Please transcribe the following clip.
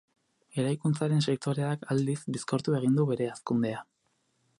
Eraikuntzaren sektoreak, aldiz, bizkortu egin du bere hazkundea.